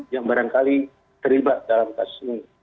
yang barangkali terlibat dalam kasus ini